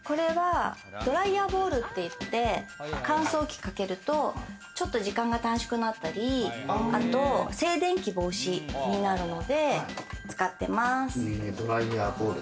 ドライヤーボールって言って、乾燥機かけると、ちょっと時間が短縮になったり、静電気防止になるので使ってます。